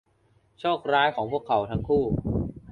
โชคร้ายของพวกเขาทั้งคู่